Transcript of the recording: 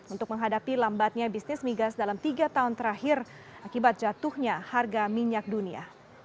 untuk menghadapi lambatnya bisnis migas dalam tiga tahun terakhir akibat jatuhnya harga minyak dunia